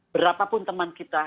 berapapun teman kita